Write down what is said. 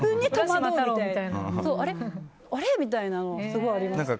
みたいなのすごいありました。